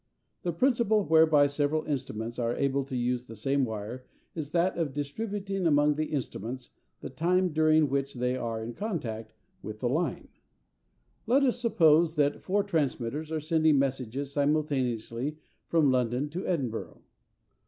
The principle whereby several instruments are able to use the same wire is that of distributing among the instruments the time during which they are in contact with the line. Let us suppose that four transmitters are sending messages simultaneously from London to Edinburgh.